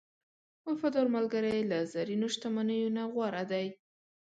وفادار ملګری له زرینو شتمنیو نه غوره دی.